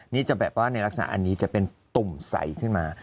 นี่จะแบบว่าในลักษณะอันนี้จะเป็นตุ่มใสขึ้นมา